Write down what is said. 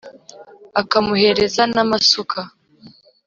akamuhereza n ámasúka